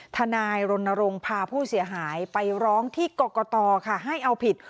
ทนายรณรงค์พาผู้เสียหายไปร้องที่กรกตค่ะให้เอาผิด